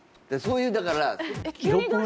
そういうだから。